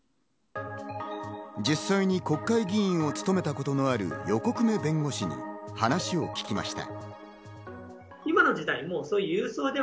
実際に国会議員を務めたことのある横粂弁護士に話を聞きました。